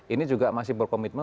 ini juga masih berkomitmen